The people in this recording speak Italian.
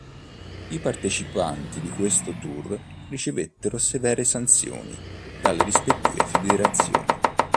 I partecipanti di questi tour ricevettero severe sanzioni dalle rispettive federazioni.